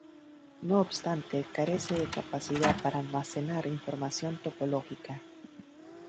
No obstante carece de capacidad para almacenar información topológica.